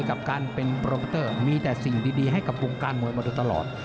กับการเป็นโปรโมเตอร์มีแต่สิ่งดีให้กับวงการมวยมาโดยตลอด